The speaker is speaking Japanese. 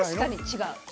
違う。